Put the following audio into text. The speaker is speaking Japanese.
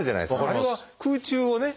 あれは空中をね